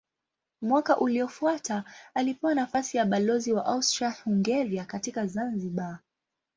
Mwaka uliofuata alipewa nafasi ya balozi wa Austria-Hungaria katika Zanzibar.